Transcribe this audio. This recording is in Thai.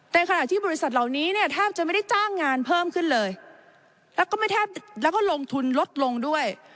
แต่ขณะที่บริษัทเหล่านี้แทบจะไม่ได้จ้างงานเพิ่มขึ้นเลยแล้วก็ลงทุนลดลงด้วย